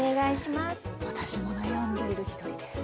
私も悩んでいる一人です。